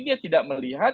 dia tidak melihat